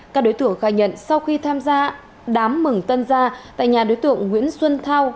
các đối tượng khai nhận sau khi tham gia đám mừng tân gia tại nhà đối tượng nguyễn xuân thao